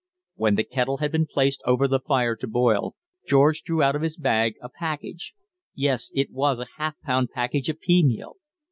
When the kettle had been placed over the fire to boil, George drew out of his bag a package yes, it was a half pound package of pea meal!